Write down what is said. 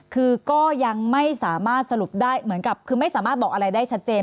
คือก็ยังไม่สามารถสรุปได้เหมือนกับคือไม่สามารถบอกอะไรได้ชัดเจน